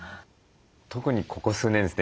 特にここ数年ですね